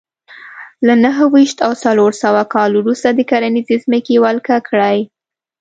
له نهه ویشت او څلور سوه کال وروسته د کرنیزې ځمکې ولکه کړې